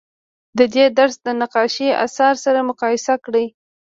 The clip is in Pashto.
د دې درس د نقاشۍ اثار سره مقایسه کړئ.